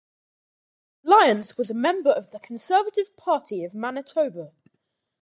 Lyons was a member of the Conservative Party of Manitoba.